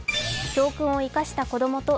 教訓を生かした子供と